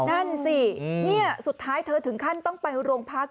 นั่นสินี่สุดท้ายเธอถึงขั้นต้องไปโรงพัก